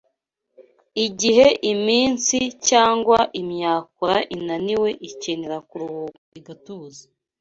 Igihe imitsi cyangwa imyakura inaniwe ikenera kuruhuka igatuza